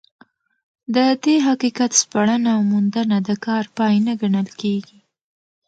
د دې حقیقت سپړنه او موندنه د کار پای نه ګڼل کېږي.